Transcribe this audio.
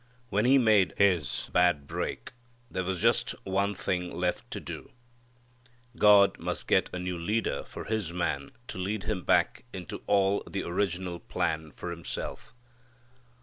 When he made his bad break there was just one thing left to do. God must get a new leader for His man to lead him back into all the original plan for himself.